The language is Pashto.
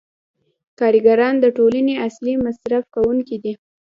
کارګران د ټولنې اصلي مصرف کوونکي دي